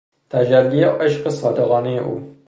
تجلی عشق صادقانهی او